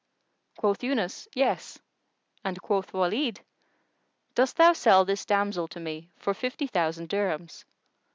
Quoth Yunus, "Yes!" and quoth Walid, "Dost thou sell this damsel to me for fifty thousand dirhams?"